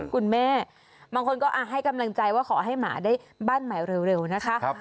คุณแม่บางคนก็ให้กำลังใจว่าขอให้หมาได้บ้านใหม่เร็วนะคะ